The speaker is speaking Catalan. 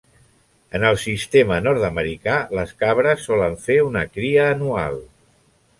En el sistema nord-americà, les cabres solen fer una cria anual.